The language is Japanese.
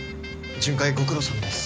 巡回ご苦労さまです。